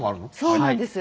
そうなんです。